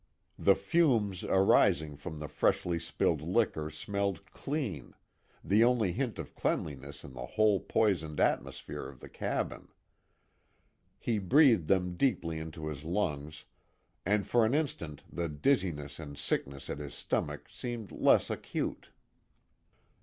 The fumes arising from the freshly spilled liquor smelled clean the only hint of cleanliness in the whole poisoned atmosphere of the cabin. He breathed them deeply into his lungs, and for an instant the dizziness and sickness at his stomach seemed less acute.